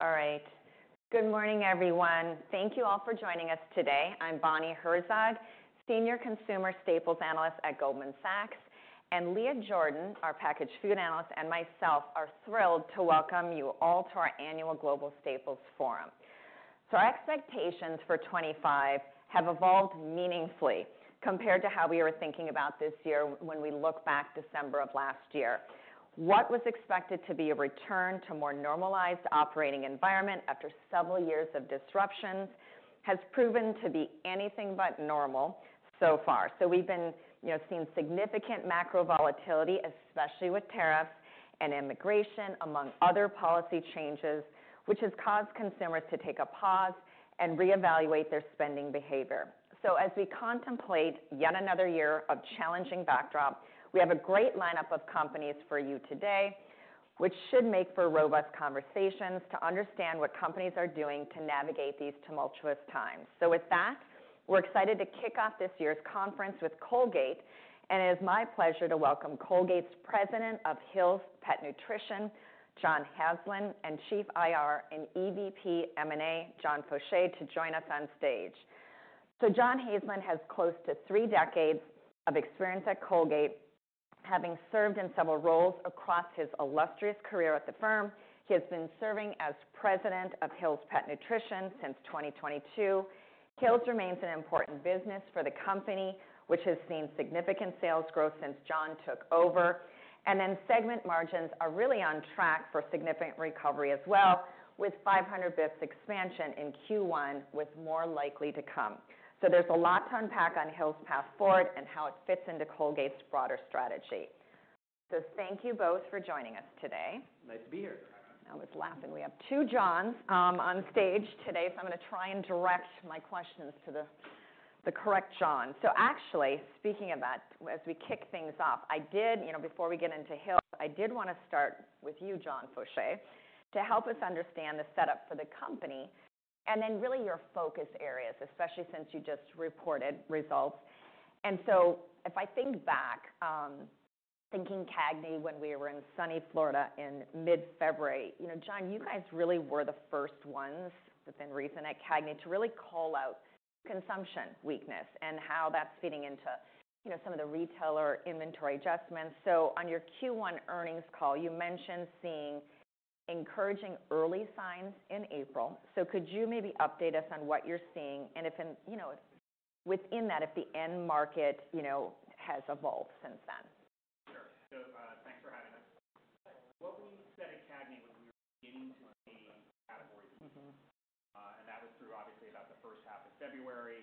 All right. Good morning, everyone. Thank you all for joining us today. I'm Bonnie Herzog, Senior Consumer Staples Analyst at Goldman Sachs. Leah Jordan, our Packaged Food Analyst, and myself are thrilled to welcome you all to our annual Global Staples Forum. Our expectations for 2025 have evolved meaningfully compared to how we were thinking about this year when we look back December of last year. What was expected to be a return to a more normalized operating environment after several years of disruptions has proven to be anything but normal so far. We have been seeing significant macro volatility, especially with tariffs and immigration, among other policy changes, which has caused consumers to take a pause and reevaluate their spending behavior. As we contemplate yet another year of challenging backdrop, we have a great lineup of companies for you today, which should make for robust conversations to understand what companies are doing to navigate these tumultuous times. With that, we're excited to kick off this year's conference with Colgate. It is my pleasure to welcome Colgate's President of Hill's Pet Nutrition, John Hazlin, and Chief IR and EVP M&A, John Faucher, to join us on stage. John Hazlin has close to three decades of experience at Colgate, having served in several roles across his illustrious career at the firm. He has been serving as President of Hill's Pet Nutrition since 2022. Hill's remains an important business for the company, which has seen significant sales growth since John took over. Segment margins are really on track for significant recovery as well, with 500 basis points expansion in Q1 with more likely to come. There is a lot to unpack on Hill's path forward and how it fits into Colgate's broader strategy. Thank you both for joining us today. Nice to be here. I was laughing. We have two Johns on stage today, so I'm going to try and direct my questions to the correct John. Actually, speaking of that, as we kick things off, I did, before we get into Hill's, I did want to start with you, John Faucher, to help us understand the setup for the company and then really your focus areas, especially since you just reported results. If I think back, thinking CAGNY when we were in sunny Florida in mid-February, John, you guys really were the first ones within reason at CAGNY to really call out consumption weakness and how that's feeding into some of the retailer inventory adjustments. On your Q1 earnings call, you mentioned seeing encouraging early signs in April. Could you maybe update us on what you're seeing and within that, if the end market has evolved since then? Sure. Thanks for having us. What we said at CAGNY was we were beginning to see category weakness. That was through, obviously, about the first half of February.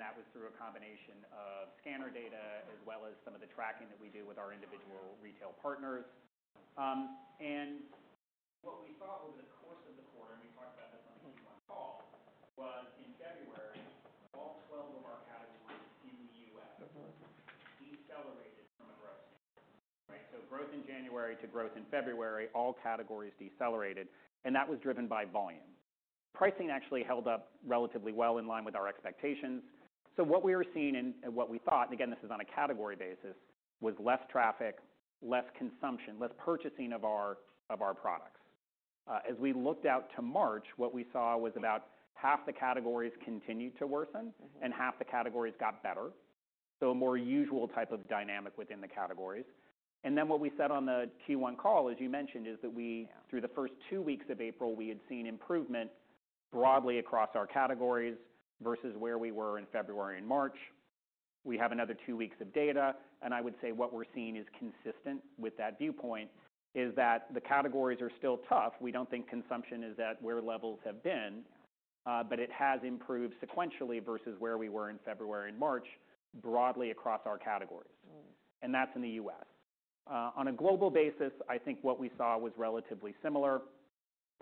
That was through a combination of scanner data as well as some of the tracking that we do with our individual retail partners. What we saw over the course of the quarter, and we talked about this on the Q1 call, was in February, all 12 of our categories in the U.S. decelerated from a growth standpoint. Growth in January to growth in February, all categories decelerated. That was driven by volume. Pricing actually held up relatively well in line with our expectations. What we were seeing and what we thought, and again, this is on a category basis, was less traffic, less consumption, less purchasing of our products. As we looked out to March, what we saw was about half the categories continued to worsen and half the categories got better. A more usual type of dynamic within the categories. What we said on the Q1 call, as you mentioned, is that through the first two weeks of April, we had seen improvement broadly across our categories versus where we were in February and March. We have another two weeks of data. I would say what we're seeing is consistent with that viewpoint, that the categories are still tough. We do not think consumption is at where levels have been, but it has improved sequentially versus where we were in February and March broadly across our categories. That is in the U.S. On a global basis, I think what we saw was relatively similar.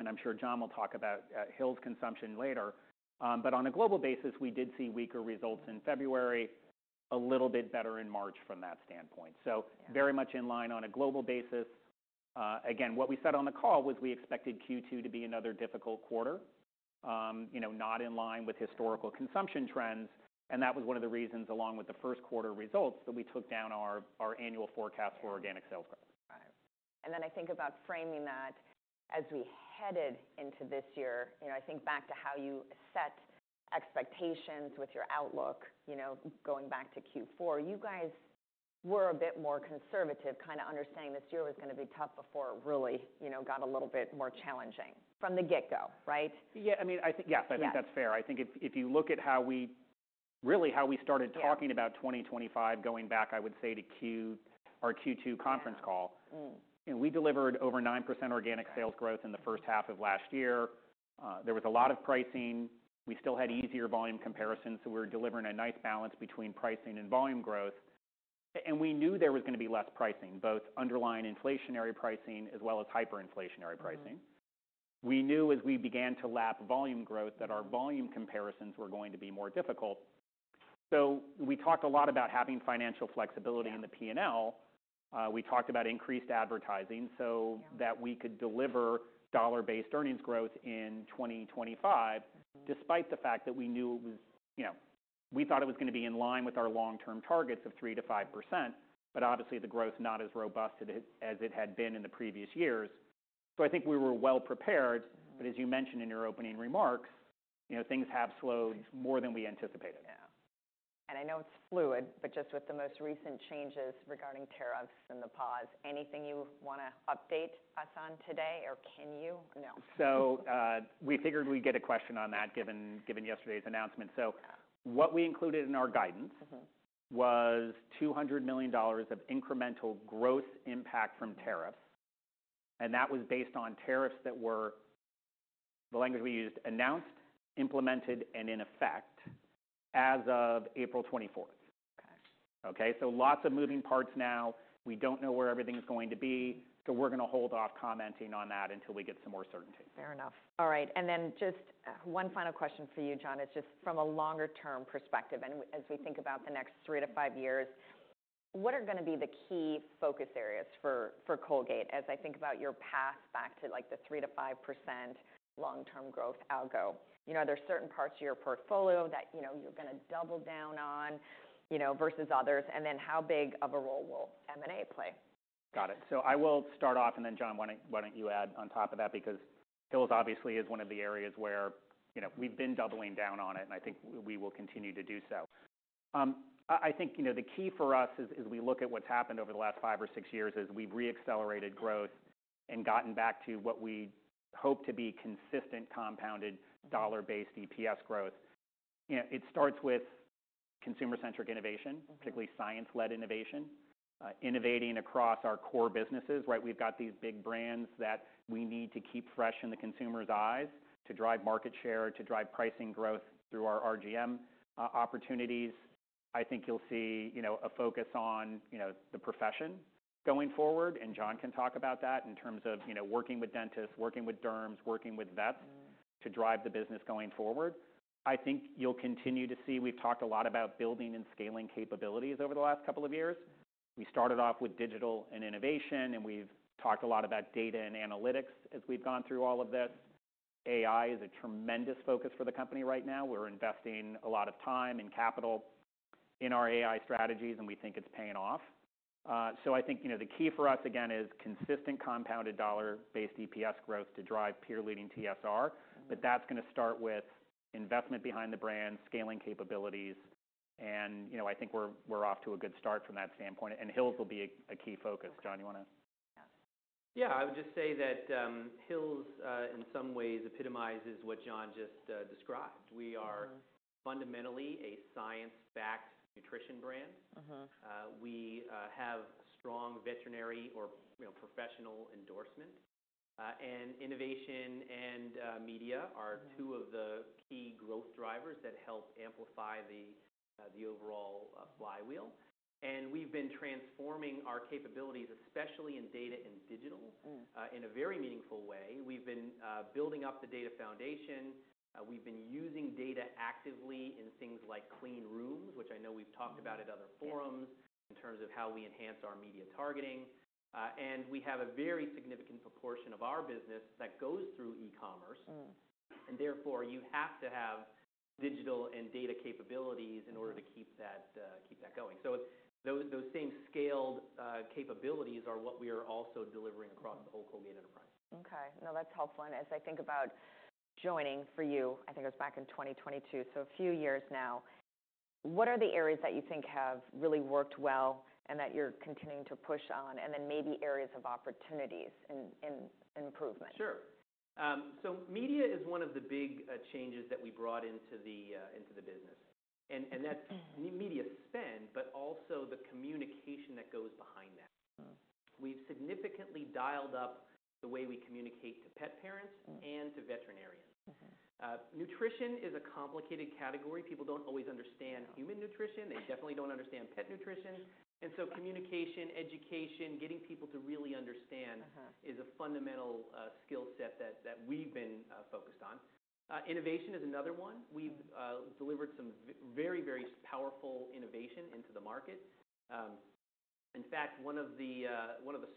I am sure John will talk about Hill's consumption later. On a global basis, we did see weaker results in February, a little bit better in March from that standpoint. Very much in line on a global basis. Again, what we said on the call was we expected Q2 to be another difficult quarter, not in line with historical consumption trends. That was one of the reasons, along with the first quarter results, that we took down our annual forecast for organic sales growth. Right. I think about framing that as we headed into this year. I think back to how you set expectations with your outlook going back to Q4. You guys were a bit more conservative, kind of understanding this year was going to be tough before it really got a little bit more challenging from the get-go, right? Yeah. I mean, yes, I think that's fair. I think if you look at how we really started talking about 2025 going back, I would say, to our Q2 conference call, we delivered over 9% organic sales growth in the first half of last year. There was a lot of pricing. We still had easier volume comparisons. We were delivering a nice balance between pricing and volume growth. We knew there was going to be less pricing, both underlying inflationary pricing as well as hyperinflationary pricing. We knew as we began to lap volume growth that our volume comparisons were going to be more difficult. We talked a lot about having financial flexibility in the P&L. We talked about increased advertising so that we could deliver dollar-based earnings growth in 2025, despite the fact that we knew it was, we thought it was going to be in line with our long-term targets of 3%-5%, but obviously the growth not as robust as it had been in the previous years. I think we were well prepared. As you mentioned in your opening remarks, things have slowed more than we anticipated. Yeah. I know it's fluid, but just with the most recent changes regarding tariffs and the pause, anything you want to update us on today or can you? We figured we'd get a question on that given yesterday's announcement. What we included in our guidance was $200 million of incremental growth impact from tariffs. That was based on tariffs that were, the language we used, announced, implemented, and in effect as of April 24th. Okay? Lots of moving parts now. We do not know where everything's going to be. We're going to hold off commenting on that until we get some more certainty. Fair enough. All right. Just one final question for you, John, is just from a longer-term perspective. As we think about the next three to five years, what are going to be the key focus areas for Colgate as I think about your path back to the 3%-5% long-term growth algo? Are there certain parts of your portfolio that you're going to double down on versus others? How big of a role will M&A play? Got it. I will start off. John, why don't you add on top of that? Because Hill's, obviously, is one of the areas where we've been doubling down on it, and I think we will continue to do so. I think the key for us, as we look at what's happened over the last five or six years, is we've re-accelerated growth and gotten back to what we hope to be consistent compounded dollar-based EPS growth. It starts with consumer-centric innovation, particularly science-led innovation, innovating across our core businesses. We've got these big brands that we need to keep fresh in the consumer's eyes to drive market share, to drive pricing growth through our RGM opportunities. I think you'll see a focus on the profession going forward. John can talk about that in terms of working with dentists, working with derms, working with vets to drive the business going forward. I think you'll continue to see we've talked a lot about building and scaling capabilities over the last couple of years. We started off with digital and innovation, and we've talked a lot about data and analytics as we've gone through all of this. AI is a tremendous focus for the company right now. We're investing a lot of time and capital in our AI strategies, and we think it's paying off. I think the key for us, again, is consistent compounded dollar-based EPS growth to drive peer-leading TSR. That's going to start with investment behind the brand, scaling capabilities. I think we're off to a good start from that standpoint. Hills will be a key focus. John, you want to? Yeah. I would just say that Hill's, in some ways, epitomizes what John just described. We are fundamentally a science-backed nutrition brand. We have strong veterinary or professional endorsement. Innovation and media are two of the key growth drivers that help amplify the overall flywheel. We have been transforming our capabilities, especially in data and digital, in a very meaningful way. We have been building up the data foundation. We have been using data actively in things like clean rooms, which I know we have talked about at other forums in terms of how we enhance our media targeting. We have a very significant proportion of our business that goes through e-commerce. Therefore, you have to have digital and data capabilities in order to keep that going. Those same scaled capabilities are what we are also delivering across the whole Colgate enterprise. Okay. No, that's helpful. As I think about joining for you, I think it was back in 2022, so a few years now, what are the areas that you think have really worked well and that you're continuing to push on, and then maybe areas of opportunities and improvement? Sure. Media is one of the big changes that we brought into the business. That is media spend, but also the communication that goes behind that. We have significantly dialed up the way we communicate to pet parents and to veterinarians. Nutrition is a complicated category. People do not always understand human nutrition. They definitely do not understand pet nutrition. Communication, education, getting people to really understand is a fundamental skill set that we have been focused on. Innovation is another one. We have delivered some very, very powerful innovation into the market. In fact, one of the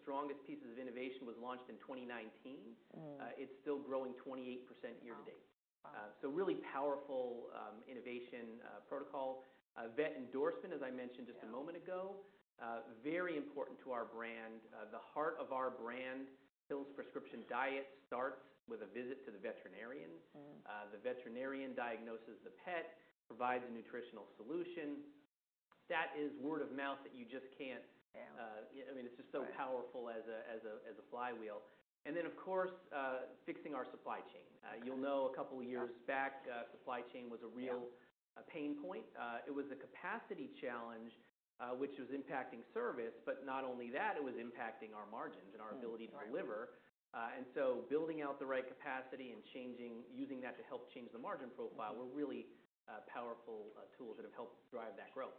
strongest pieces of innovation was launched in 2019. It is still growing 28% year to date. Really powerful innovation protocol. Vet endorsement, as I mentioned just a moment ago, is very important to our brand. The heart of our brand, Hill’s Prescription Diet, starts with a visit to the veterinarian. The veterinarian diagnoses the pet, provides a nutritional solution. That is word of mouth that you just can't. I mean, it's just so powerful as a flywheel. Of course, fixing our supply chain. You'll know a couple of years back, supply chain was a real pain point. It was a capacity challenge, which was impacting service. Not only that, it was impacting our margins and our ability to deliver. Building out the right capacity and using that to help change the margin profile were really powerful tools that have helped drive that growth.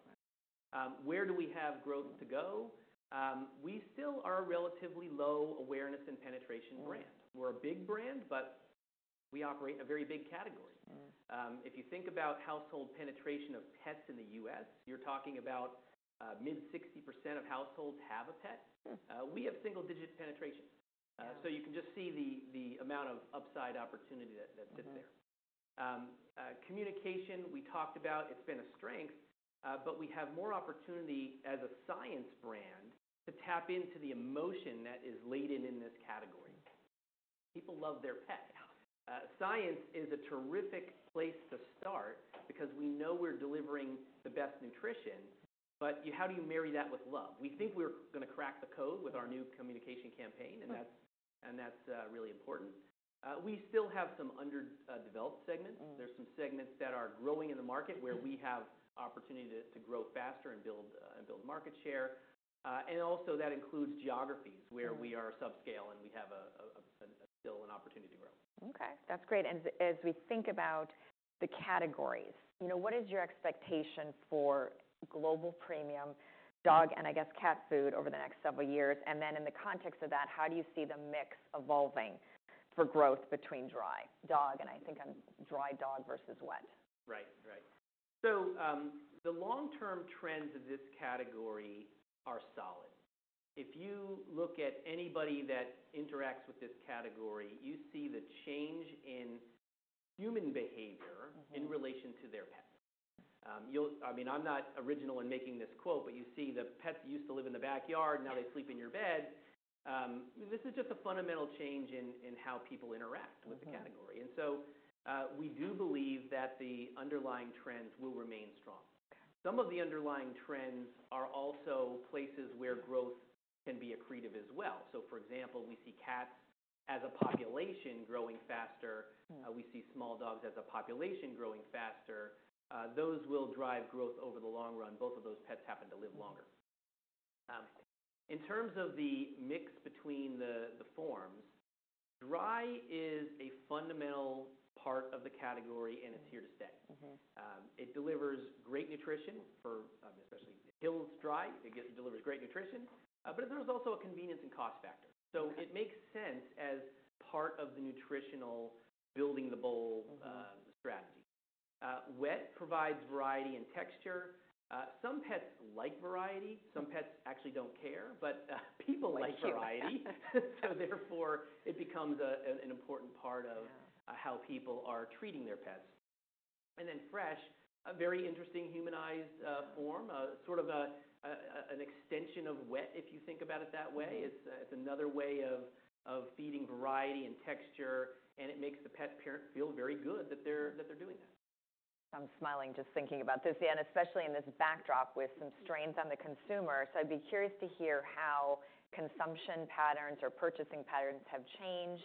Where do we have growth to go? We still are a relatively low awareness and penetration brand. We're a big brand, but we operate a very big category. If you think about household penetration of pets in the U.S., you're talking about mid-60% of households have a pet. We have single-digit penetration. You can just see the amount of upside opportunity that sits there. Communication, we talked about. It has been a strength. We have more opportunity as a science brand to tap into the emotion that is laden in this category. People love their pet. Science is a terrific place to start because we know we are delivering the best nutrition. How do you marry that with love? We think we are going to crack the code with our new communication campaign, and that is really important. We still have some underdeveloped segments. There are some segments that are growing in the market where we have opportunity to grow faster and build market share. Also, that includes geographies where we are subscale and we still have an opportunity to grow. Okay. That's great. As we think about the categories, what is your expectation for global premium dog and, I guess, cat food over the next several years? In the context of that, how do you see the mix evolving for growth between dry dog and, I think, dry dog versus wet? Right. Right. The long-term trends of this category are solid. If you look at anybody that interacts with this category, you see the change in human behavior in relation to their pets. I mean, I'm not original in making this quote, but you see the pets used to live in the backyard. Now they sleep in your bed. This is just a fundamental change in how people interact with the category. We do believe that the underlying trends will remain strong. Some of the underlying trends are also places where growth can be accretive as well. For example, we see cats as a population growing faster. We see small dogs as a population growing faster. Those will drive growth over the long run. Both of those pets happen to live longer. In terms of the mix between the forms, dry is a fundamental part of the category, and it's here to stay. It delivers great nutrition for especially Hill's dry. It delivers great nutrition. There is also a convenience and cost factor. It makes sense as part of the nutritional building-the-bowl strategy. Wet provides variety and texture. Some pets like variety. Some pets actually do not care, but people like variety. Therefore, it becomes an important part of how people are treating their pets. Then fresh, a very interesting humanized form, sort of an extension of wet, if you think about it that way. It is another way of feeding variety and texture. It makes the pet parent feel very good that they are doing that. I'm smiling just thinking about this, and especially in this backdrop with some strains on the consumer. I'd be curious to hear how consumption patterns or purchasing patterns have changed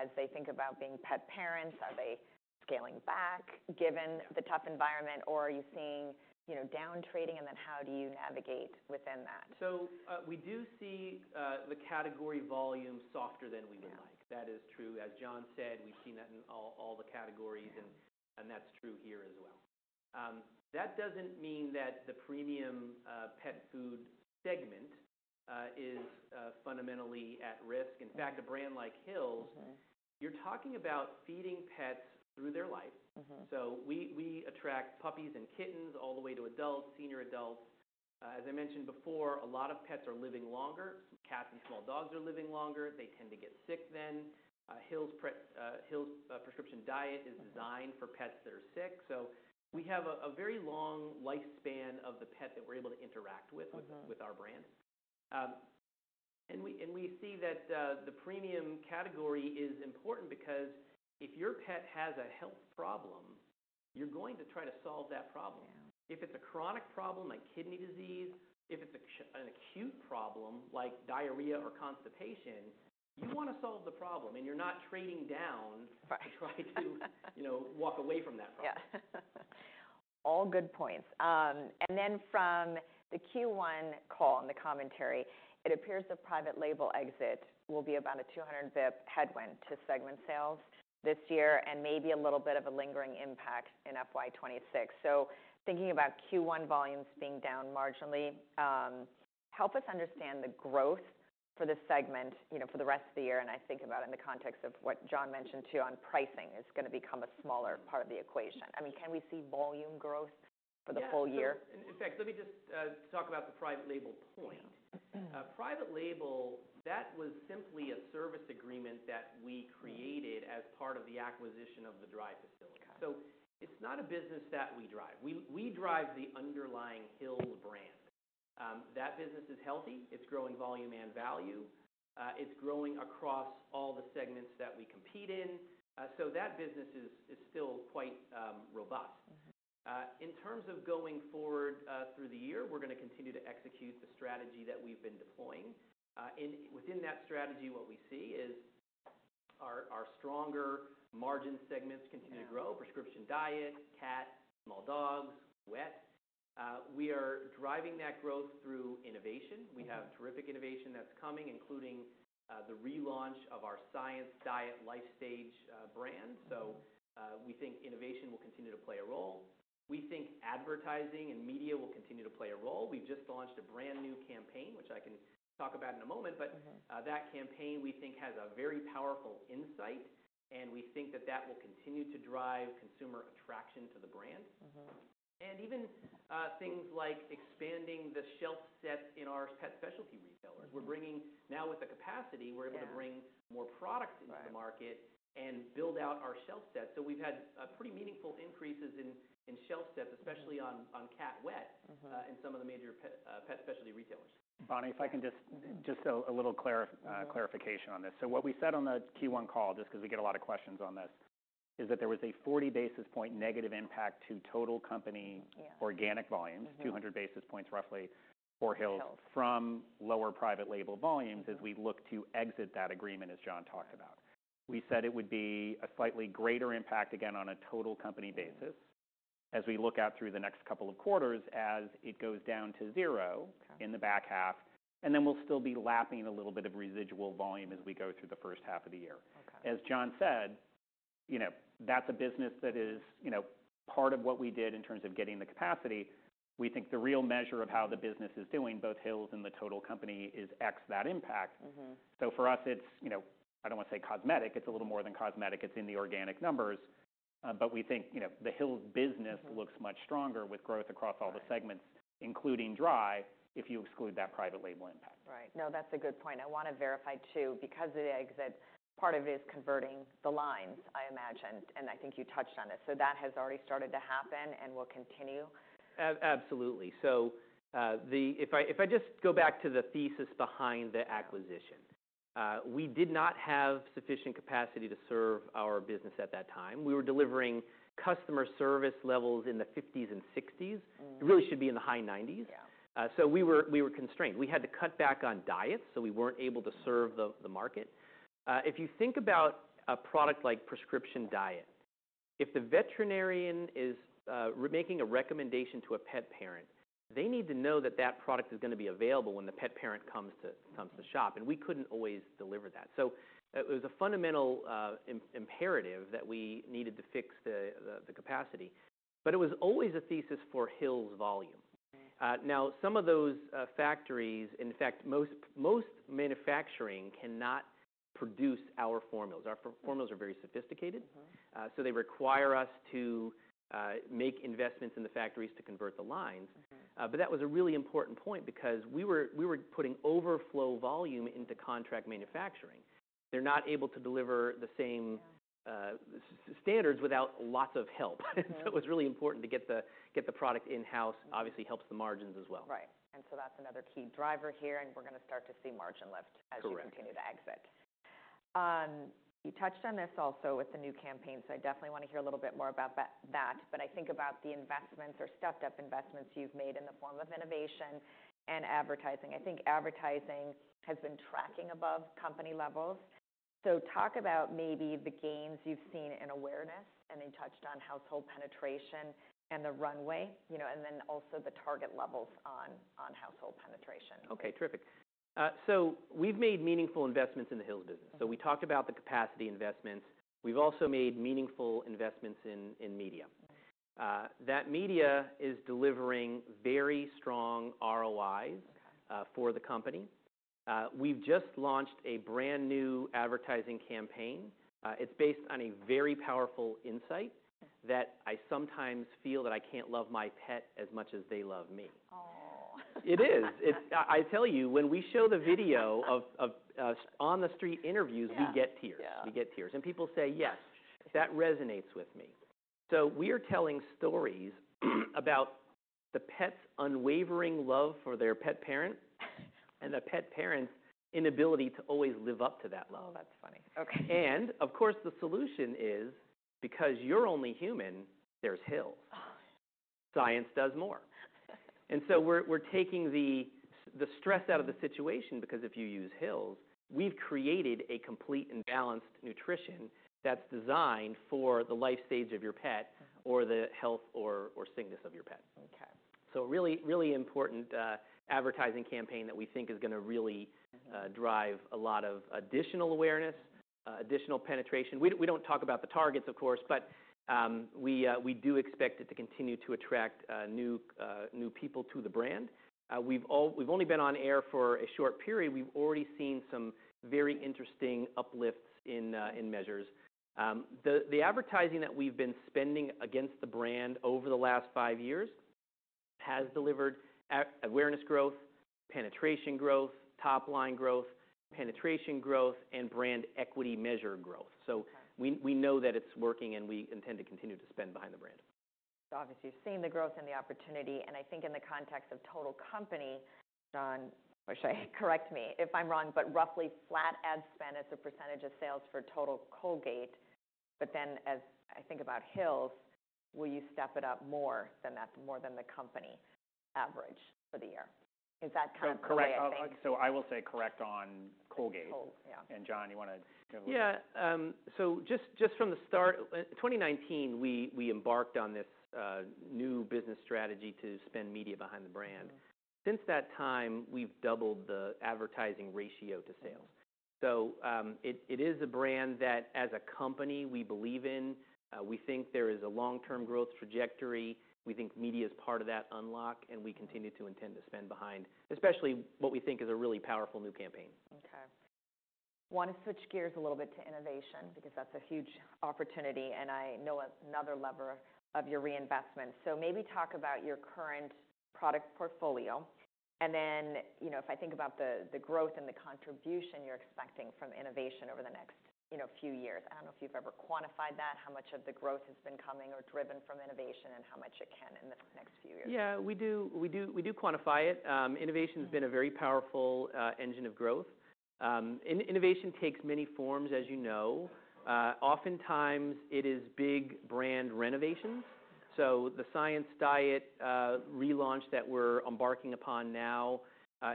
as they think about being pet parents. Are they scaling back given the tough environment, or are you seeing downtrading? How do you navigate within that? We do see the category volume softer than we would like. That is true. As John said, we've seen that in all the categories, and that's true here as well. That does not mean that the premium pet food segment is fundamentally at risk. In fact, a brand like Hill's, you're talking about feeding pets through their life. We attract puppies and kittens all the way to adults, senior adults. As I mentioned before, a lot of pets are living longer. Cats and small dogs are living longer. They tend to get sick then. Hill's Prescription Diet is designed for pets that are sick. We have a very long lifespan of the pet that we're able to interact with with our brand. We see that the premium category is important because if your pet has a health problem, you're going to try to solve that problem. If it's a chronic problem like kidney disease, if it's an acute problem like diarrhea or constipation, you want to solve the problem. You're not trading down to try to walk away from that problem. Yeah. All good points. From the Q1 call and the commentary, it appears the private label exit will be about a 200 basis point headwind to segment sales this year and maybe a little bit of a lingering impact in fiscal year 2026. Thinking about Q1 volumes being down marginally, help us understand the growth for the segment for the rest of the year. I think about it in the context of what John mentioned too on pricing is going to become a smaller part of the equation. I mean, can we see volume growth for the full year? Yes. In fact, let me just talk about the private label point. Private label, that was simply a service agreement that we created as part of the acquisition of the dry facility. It is not a business that we drive. We drive the underlying Hill's brand. That business is healthy. It is growing volume and value. It is growing across all the segments that we compete in. That business is still quite robust. In terms of going forward through the year, we are going to continue to execute the strategy that we have been deploying. Within that strategy, what we see is our stronger margin segments continue to grow: prescription diet, cat, small dogs, wet. We are driving that growth through innovation. We have terrific innovation that is coming, including the relaunch of our Science Diet life stage brand. We think innovation will continue to play a role. We think advertising and media will continue to play a role. We've just launched a brand new campaign, which I can talk about in a moment. That campaign, we think, has a very powerful insight. We think that will continue to drive consumer attraction to the brand. Even things like expanding the shelf set in our pet specialty retailers. Now with the capacity, we're able to bring more products into the market and build out our shelf set. We've had pretty meaningful increases in shelf sets, especially on cat wet in some of the major pet specialty retailers. Bonnie, if I can just a little clarification on this. What we said on the Q1 call, just because we get a lot of questions on this, is that there was a 40 basis point negative impact to total company organic volumes, 200 basis points roughly for Hill's from lower private label volumes as we look to exit that agreement, as John talked about. We said it would be a slightly greater impact, again, on a total company basis as we look out through the next couple of quarters as it goes down to zero in the back half. We'll still be lapping a little bit of residual volume as we go through the first half of the year. As John said, that's a business that is part of what we did in terms of getting the capacity. We think the real measure of how the business is doing, both Hill's and the total company, is X that impact. For us, it's—I don't want to say cosmetic. It's a little more than cosmetic. It's in the organic numbers. We think the Hill's business looks much stronger with growth across all the segments, including dry, if you exclude that private label impact. Right. No, that's a good point. I want to verify too, because of the exit, part of it is converting the lines, I imagine. I think you touched on this. That has already started to happen and will continue. Absolutely. If I just go back to the thesis behind the acquisition, we did not have sufficient capacity to serve our business at that time. We were delivering customer service levels in the 50s and 60s. It really should be in the high 90s. We were constrained. We had to cut back on diets, so we were not able to serve the market. If you think about a product like Prescription Diet, if the veterinarian is making a recommendation to a pet parent, they need to know that that product is going to be available when the pet parent comes to shop. We could not always deliver that. It was a fundamental imperative that we needed to fix the capacity. It was always a thesis for Hill's volume. Some of those factories, in fact, most manufacturing cannot produce our formulas. Our formulas are very sophisticated. They require us to make investments in the factories to convert the lines. That was a really important point because we were putting overflow volume into contract manufacturing. They're not able to deliver the same standards without lots of help. It was really important to get the product in-house. Obviously, it helps the margins as well. Right. That is another key driver here. We are going to start to see margin lift as we continue to exit. You touched on this also with the new campaign. I definitely want to hear a little bit more about that. I think about the investments or stepped-up investments you have made in the form of innovation and advertising. I think advertising has been tracking above company levels. Talk about maybe the gains you have seen in awareness. You touched on household penetration and the runway. Also the target levels on household penetration. Okay. Terrific. We've made meaningful investments in the Hill's business. We talked about the capacity investments. We've also made meaningful investments in media. That media is delivering very strong ROIs for the company. We've just launched a brand new advertising campaign. It's based on a very powerful insight that I sometimes feel that I can't love my pet as much as they love me. Oh. It is. I tell you, when we show the video of on-the-street interviews, we get tears. We get tears. People say, "Yes. That resonates with me." We are telling stories about the pet's unwavering love for their pet parent and the pet parent's inability to always live up to that love. Oh, that's funny. Of course, the solution is, because you're only human, there's Hill's. Science does more. We are taking the stress out of the situation because if you use Hill's, we've created a complete and balanced nutrition that's designed for the life stage of your pet or the health or sickness of your pet. A really important advertising campaign that we think is going to really drive a lot of additional awareness, additional penetration. We do not talk about the targets, of course, but we do expect it to continue to attract new people to the brand. We have only been on air for a short period. We have already seen some very interesting uplifts in measures. The advertising that we have been spending against the brand over the last five years has delivered awareness growth, penetration growth, top-line growth, penetration growth, and brand equity measure growth. We know that it's working, and we intend to continue to spend behind the brand. Obviously, you've seen the growth and the opportunity. I think in the context of total company, John, or should I—correct me if I'm wrong—but roughly flat ad spend, it's a percentage of sales for total Colgate. As I think about Hill's, will you step it up more than the company average for the year? Is that kind of the way I think? I will say correct on Colgate. And John, you want to? Yeah. Just from the start, 2019, we embarked on this new business strategy to spend media behind the brand. Since that time, we've doubled the advertising ratio to sales. It is a brand that, as a company, we believe in. We think there is a long-term growth trajectory. We think media is part of that unlock. We continue to intend to spend behind, especially what we think is a really powerful new campaign. Okay. I want to switch gears a little bit to innovation because that's a huge opportunity. I know another lever of your reinvestment. Maybe talk about your current product portfolio. If I think about the growth and the contribution you're expecting from innovation over the next few years, I don't know if you've ever quantified that, how much of the growth has been coming or driven from innovation and how much it can in the next few years. Yeah. We do quantify it. Innovation has been a very powerful engine of growth. Innovation takes many forms, as you know. Oftentimes, it is big brand renovations. The Science Diet relaunch that we're embarking upon now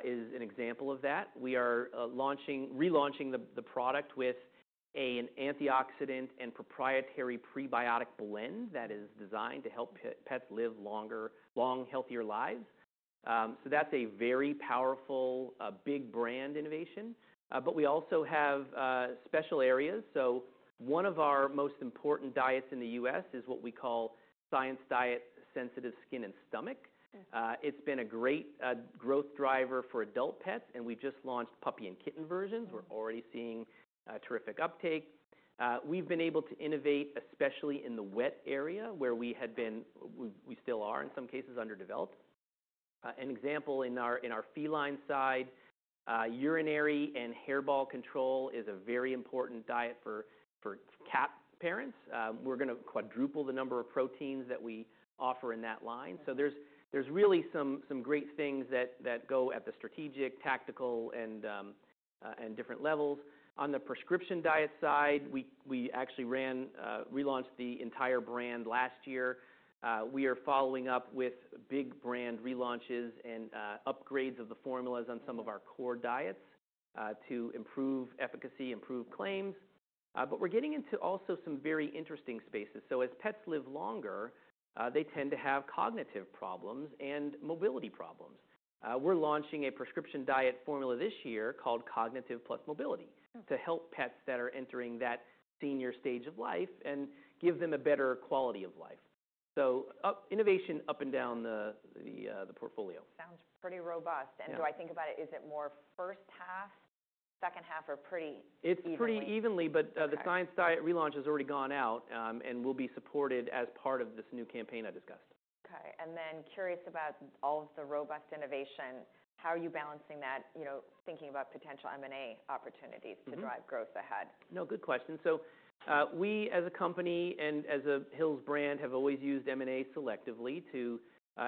is an example of that. We are relaunching the product with an antioxidant and proprietary prebiotic blend that is designed to help pets live longer, long, healthier lives. That is a very powerful, big brand innovation. We also have special areas. One of our most important diets in the U.S. is what we call Science Diet Sensitive Skin and Stomach. It's been a great growth driver for adult pets. We just launched puppy and kitten versions. We're already seeing terrific uptake. We've been able to innovate, especially in the wet area where we had been, we still are, in some cases, underdeveloped. An example in our feline side, urinary and hairball control is a very important diet for cat parents. We're going to quadruple the number of proteins that we offer in that line. There are really some great things that go at the strategic, tactical, and different levels. On the prescription diet side, we actually relaunched the entire brand last year. We are following up with big brand relaunches and upgrades of the formulas on some of our core diets to improve efficacy, improve claims. We're getting into also some very interesting spaces. As pets live longer, they tend to have cognitive problems and mobility problems. We're launching a prescription diet formula this year called Cognitive Plus Mobility to help pets that are entering that senior stage of life and give them a better quality of life. Innovation up and down the portfolio. Sounds pretty robust. If I think about it, is it more first half, second half, or pretty evenly? It's pretty evenly. The Science Diet relaunch has already gone out and will be supported as part of this new campaign I discussed. Okay. Curious about all of the robust innovation. How are you balancing that, thinking about potential M&A opportunities to drive growth ahead? No. Good question. We, as a company and as a Hill's brand, have always used M&A selectively to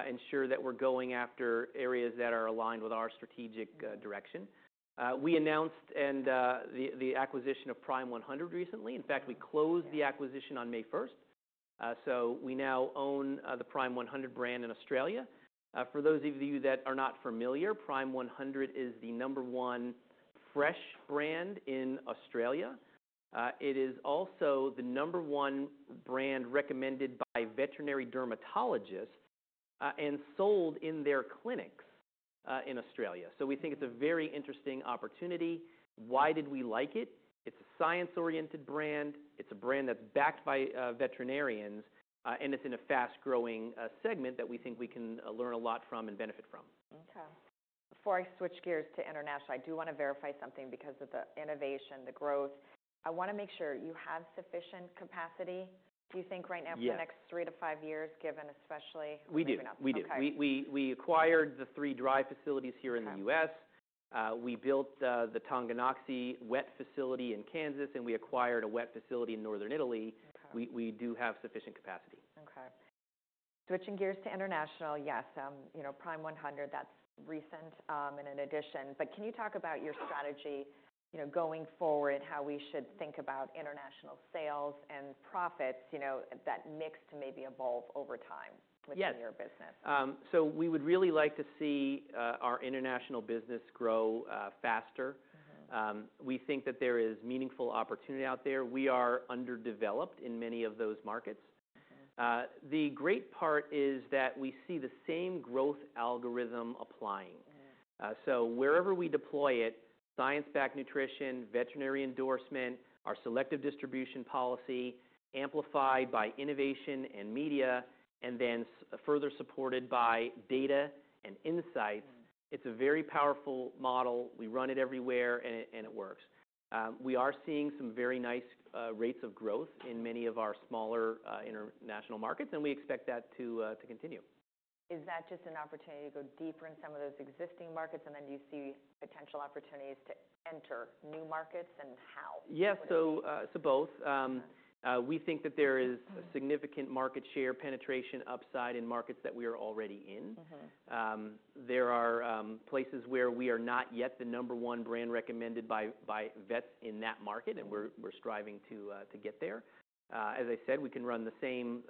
ensure that we're going after areas that are aligned with our strategic direction. We announced the acquisition of Prime100 recently. In fact, we closed the acquisition on May 1st. We now own the Prime100 brand in Australia. For those of you that are not familiar, Prime100 is the number one fresh brand in Australia. It is also the number one brand recommended by veterinary dermatologists and sold in their clinics in Australia. We think it's a very interesting opportunity. Why did we like it? It's a science-oriented brand. It's a brand that's backed by veterinarians. It's in a fast-growing segment that we think we can learn a lot from and benefit from. Okay. Before I switch gears to international, I do want to verify something because of the innovation, the growth. I want to make sure you have sufficient capacity. Do you think right now for the next three to five years, given especially what's going on? We do. We do. We acquired the three dry facilities here in the U.S. We built the Tonganoxie wet facility in Kansas. We acquired a wet facility in northern Italy. We do have sufficient capacity. Okay. Switching gears to international, yes. Prime100, that's recent and in addition. Can you talk about your strategy going forward, how we should think about international sales and profits, that mix to maybe evolve over time within your business? Yes. We would really like to see our international business grow faster. We think that there is meaningful opportunity out there. We are underdeveloped in many of those markets. The great part is that we see the same growth algorithm applying. Wherever we deploy it, science-backed nutrition, veterinary endorsement, our selective distribution policy amplified by innovation and media, and then further supported by data and insights, it is a very powerful model. We run it everywhere, and it works. We are seeing some very nice rates of growth in many of our smaller international markets. We expect that to continue. Is that just an opportunity to go deeper in some of those existing markets? Do you see potential opportunities to enter new markets? How? Yes. Both. We think that there is significant market share penetration upside in markets that we are already in. There are places where we are not yet the number one brand recommended by vets in that market, and we're striving to get there. As I said, we can run the same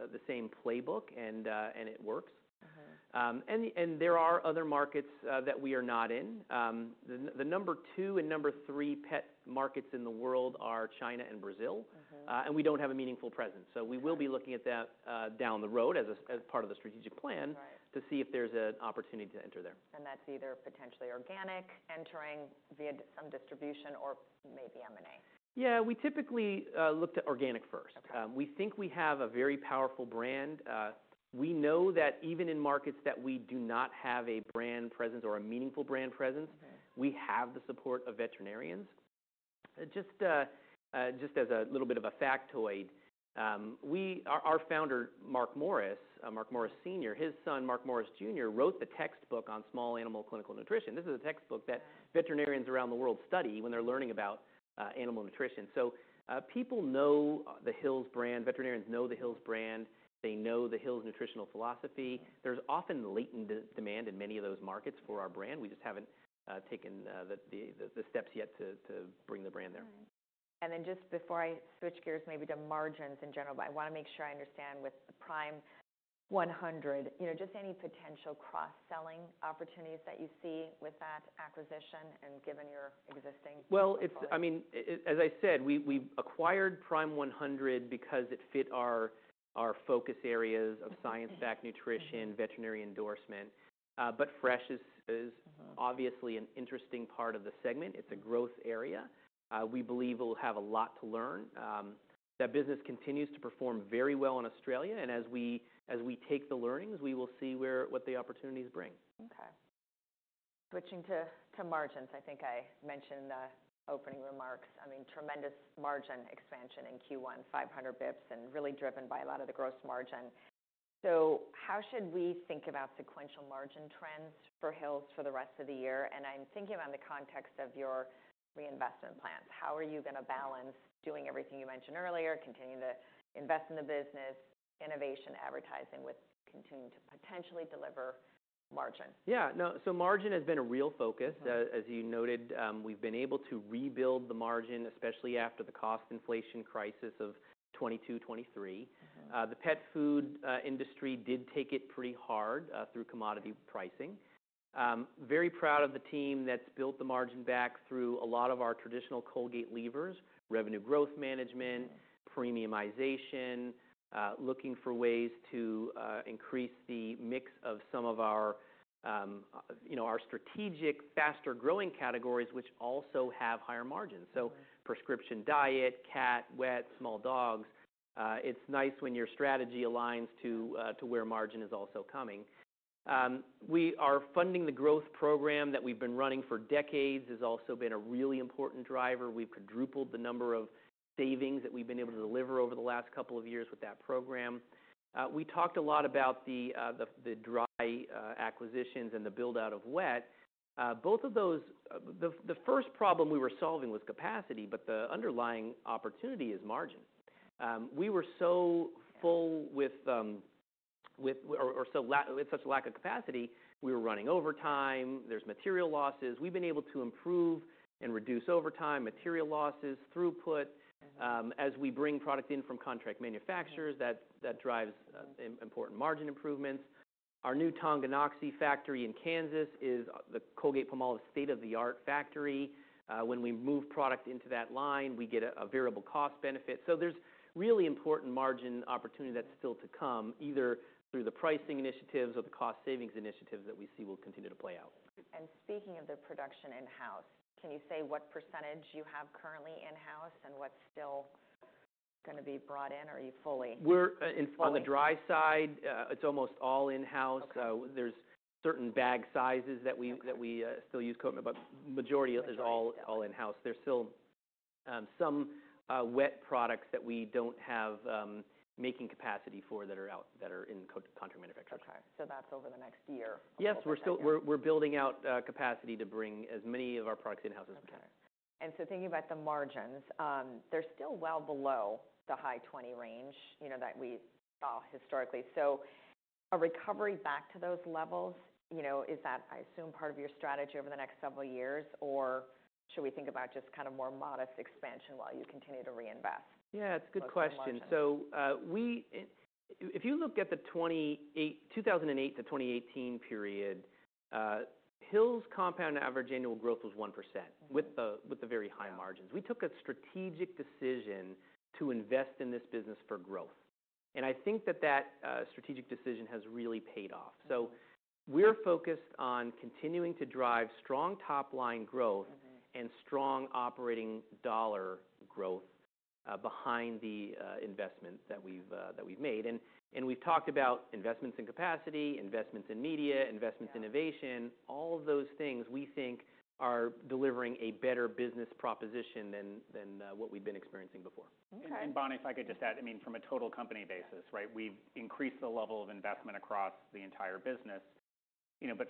playbook, and it works. There are other markets that we are not in. The number two and number three pet markets in the world are China and Brazil, and we do not have a meaningful presence. We will be looking at that down the road as part of the strategic plan to see if there is an opportunity to enter there. That's either potentially organic entering via some distribution or maybe M&A? Yeah. We typically looked at organic first. We think we have a very powerful brand. We know that even in markets that we do not have a brand presence or a meaningful brand presence, we have the support of veterinarians. Just as a little bit of a factoid, our founder, Mark Morris Sr., his son, Mark Morris Jr., wrote the textbook on small animal clinical nutrition. This is a textbook that veterinarians around the world study when they're learning about animal nutrition. So people know the Hill's brand. Veterinarians know the Hill's brand. They know the Hill's nutritional philosophy. There's often latent demand in many of those markets for our brand. We just haven't taken the steps yet to bring the brand there. Just before I switch gears maybe to margins in general, I want to make sure I understand with the Prime100, just any potential cross-selling opportunities that you see with that acquisition and given your existing? I mean, as I said, we acquired Prime100 because it fit our focus areas of science-backed nutrition, veterinary endorsement. Fresh is obviously an interesting part of the segment. It is a growth area. We believe we will have a lot to learn. That business continues to perform very well in Australia. As we take the learnings, we will see what the opportunities bring. Okay. Switching to margins, I think I mentioned the opening remarks. I mean, tremendous margin expansion in Q1, 500 basis points, and really driven by a lot of the gross margin. How should we think about sequential margin trends for Hill's for the rest of the year? I'm thinking about it in the context of your reinvestment plans. How are you going to balance doing everything you mentioned earlier, continue to invest in the business, innovation, advertising with continuing to potentially deliver margin? Yeah. No. Margin has been a real focus. As you noted, we've been able to rebuild the margin, especially after the cost inflation crisis of 2022, 2023. The pet food industry did take it pretty hard through commodity pricing. Very proud of the team that's built the margin back through a lot of our traditional Colgate levers, revenue growth management, premiumization, looking for ways to increase the mix of some of our strategic, faster-growing categories, which also have higher margins. Prescription diet, cat, wet, small dogs. It's nice when your strategy aligns to where margin is also coming. Our funding the growth program that we've been running for decades has also been a really important driver. We've quadrupled the number of savings that we've been able to deliver over the last couple of years with that program. We talked a lot about the dry acquisitions and the build-out of wet. Both of those, the first problem we were solving was capacity. The underlying opportunity is margin. We were so full with, or such a lack of capacity, we were running overtime. There are material losses. We have been able to improve and reduce overtime, material losses, throughput. As we bring product in from contract manufacturers, that drives important margin improvements. Our new Tonganoxie factory in Kansas is the Colgate-Palmolive state-of-the-art factory. When we move product into that line, we get a variable cost benefit. There is really important margin opportunity that is still to come, either through the pricing initiatives or the cost savings initiatives that we see will continue to play out. Speaking of the production in-house, can you say what percentage you have currently in-house and what's still going to be brought in, or are you fully? We're on the dry side. It's almost all in-house. There are certain bag sizes that we still use coatment. The majority of it is all in-house. There are still some wet products that we don't have making capacity for that are in contract manufacturers. Okay. So that's over the next year? Yes. We're building out capacity to bring as many of our products in-house as we can. Okay. And so thinking about the margins, they're still well below the high 20% range that we saw historically. A recovery back to those levels, is that, I assume, part of your strategy over the next several years? Or should we think about just kind of more modest expansion while you continue to reinvest? Yeah. It's a good question. If you look at the 2008 to 2018 period, Hill's compound average annual growth was 1% with the very high margins. We took a strategic decision to invest in this business for growth. I think that that strategic decision has really paid off. We're focused on continuing to drive strong top-line growth and strong operating dollar growth behind the investment that we've made. We've talked about investments in capacity, investments in media, investments in innovation. All of those things we think are delivering a better business proposition than what we've been experiencing before. Okay. Bonnie, if I could just add, I mean, from a total company basis, right, we've increased the level of investment across the entire business.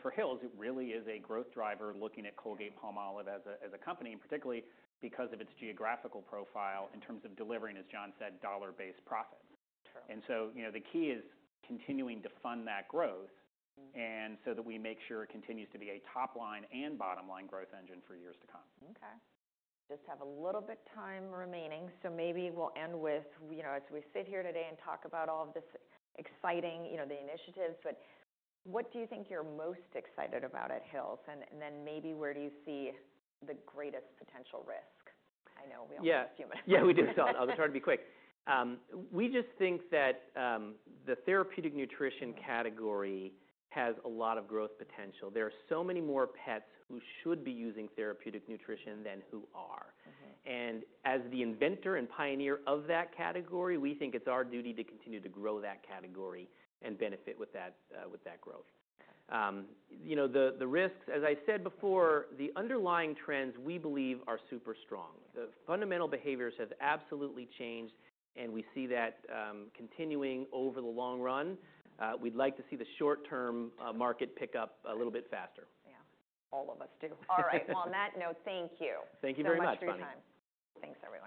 For Hill's, it really is a growth driver looking at Colgate-Palmolive as a company, and particularly because of its geographical profile in terms of delivering, as John said, dollar-based profits. The key is continuing to fund that growth so that we make sure it continues to be a top-line and bottom-line growth engine for years to come. Okay. Just have a little bit of time remaining. Maybe we'll end with, as we sit here today and talk about all of this exciting, the initiatives, what do you think you're most excited about at Hill's? Then maybe where do you see the greatest potential risk? I know we only have a few minutes. Yeah. We just saw it. I was trying to be quick. We just think that the therapeutic nutrition category has a lot of growth potential. There are so many more pets who should be using therapeutic nutrition than who are. As the inventor and pioneer of that category, we think it's our duty to continue to grow that category and benefit with that growth. The risks, as I said before, the underlying trends we believe are super strong. The fundamental behaviors have absolutely changed. We see that continuing over the long run. We'd like to see the short-term market pick up a little bit faster. Yeah. All of us do. All right. On that note, thank you. Thank you very much, Bonnie. Thanks for your time. Thanks, everyone.